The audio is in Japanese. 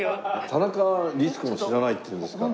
田中律子も知らないっていうんですから。